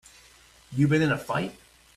You been in a fight?